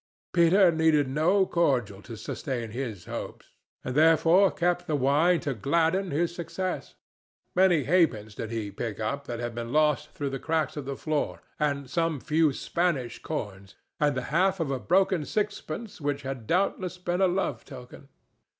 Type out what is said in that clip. Peter needed no cordial to sustain his hopes, and therefore kept the wine to gladden his success. Many half pence did he pick up that had been lost through the cracks of the floor, and some few Spanish coins, and the half of a broken sixpence which had doubtless been a love token.